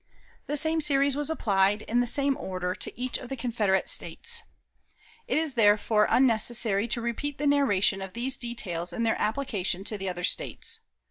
The same series was applied, in the same order, to each of the Confederate States. It is, therefore, unnecessary to repeat the narration of these details in their application to the other States.